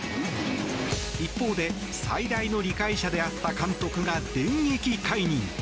一方で最大の理解者であった監督が電撃解任。